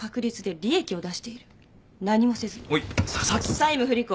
債務不履行。